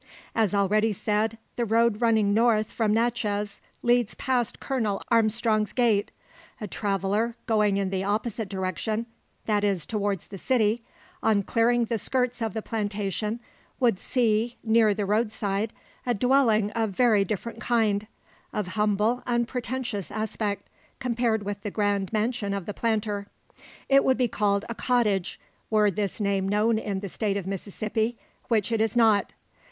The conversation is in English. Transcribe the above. As already said, the road running north from Natchez leads past Colonel Armstrong's gate. A traveller, going in the opposite direction that is towards the city on clearing the skirts of the plantation, would see, near the road side, a dwelling of very different kind; of humble unpretentious aspect, compared with the grand mansion of the planter. It would be called a cottage, were this name known in the State of Mississippi which it is not.